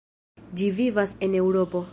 Ĝi vivas en Eŭropo.